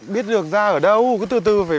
biết được ra ở đâu cứ từ từ